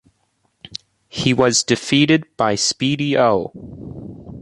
He was defeated by Speedy O.